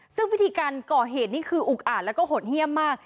ซึ่งวิธีการก่อเหตุนี่คืออุกอาดแล้วก็หดเยี่ยมมาก